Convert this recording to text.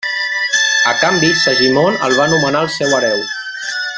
A canvi Segimon el va nomenar el seu hereu.